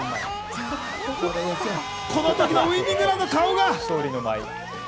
この時のウイニングランの顔が。